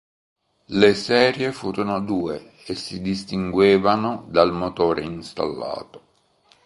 Le serie furono due, e si distinguevano dal motore installato.